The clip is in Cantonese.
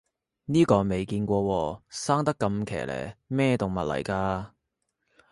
呢個未見過喎，生得咁奇離，咩動物嚟㗎